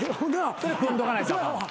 それ踏んどかないとあかんわ。